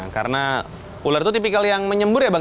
karena ular itu tipikal yang menyembur ya bang